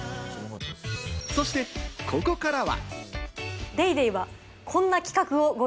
そしてここからは。